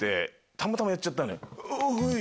たまたまやっちゃったのよおぉい！